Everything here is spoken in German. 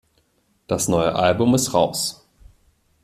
Das neue Album ist raus.